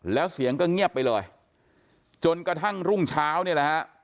แล้วเสียงก็เงียบไปเลยจนกระทั่งรุ่งเช้าเนี่ยแหละฮะ